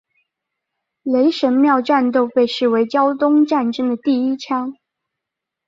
雷神庙战斗被视为胶东抗战的第一枪。